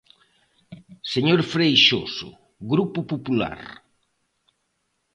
Señor Freixoso, Grupo Popular.